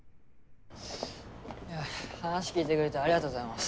話聞いてくれてありがとうございます。